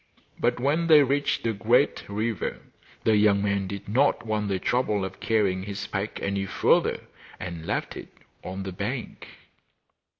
But when they reached a great river the young man did not want the trouble of carrying his pack any further, and left it on the bank.